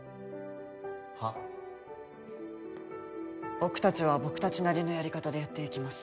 僕たちは僕たちなりのやり方でやっていきます。